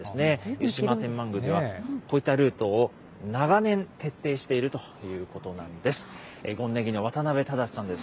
湯島天満宮では、こういったルートを長年徹底しているということなんです。